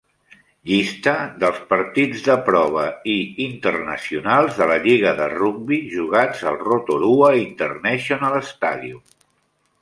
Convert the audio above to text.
Llista dels partits de prova i internacionals de la lliga de rugbi jugats al Rotorua International Stadium.